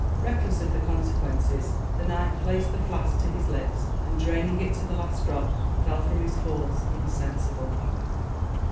Reckless of the consequences, the knight placed the flask to his lips, and draining it to the last drop, fell from his horse insensible.